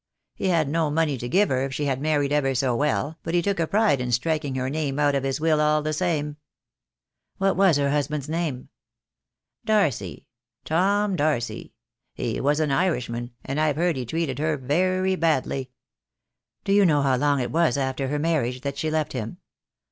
He had no money to give her if she had married ever so well, but he took a pride in striking her name out of his will all the same." "What was her husband's name?" "Darcy — Tom Darcy. He was an Irishman, and I've heard he treated her very badly." "Do you know how long it was after her marriage that she left him?"